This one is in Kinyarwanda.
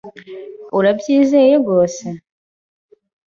Urabyizeye rwose?